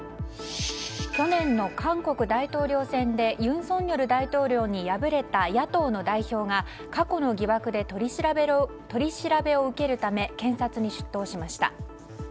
去年の韓国大統領選で尹錫悦大統領に敗れた野党の代表が過去の疑惑で取り調べを受けるため検察に出頭しました。